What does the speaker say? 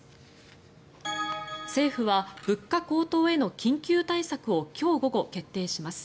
政府は物価高騰への緊急対策を今日午後、決定します。